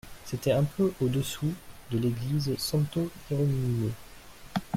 C’était un peu au-dessous de l’église santo-Hieronimo.